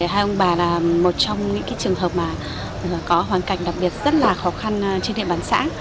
hai ông bà là một trong những trường hợp mà có hoàn cảnh đặc biệt rất là khó khăn trên địa bàn xã